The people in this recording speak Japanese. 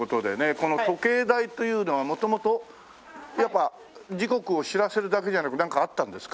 この時計台というのは元々やっぱ時刻を知らせるだけじゃなくなんかあったんですか？